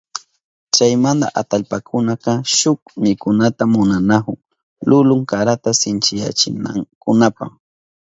Chaymanta atallpakunaka shuk mikunata munanahun lulun karata sinchiyachinankunapa.